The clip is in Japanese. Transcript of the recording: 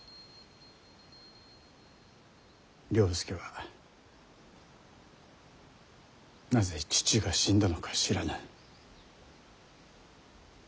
了助はなぜ父が死んだのか知らぬ。